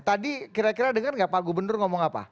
tadi kira kira dengar nggak pak gubernur ngomong apa